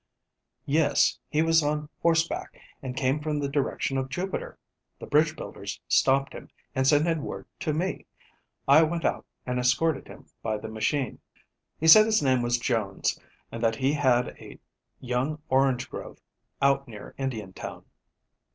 "Yes. He was on horseback, and came from the direction of Jupiter. The bridge builders stopped him and sent in word to me. I went out and escorted him by the machine. He said his name was Jones, and that he had a young orange grove out near Indiantown."